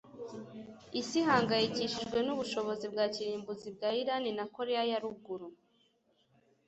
isi ihangayikishijwe nubushobozi bwa kirimbuzi bwa irani na koreya ya ruguru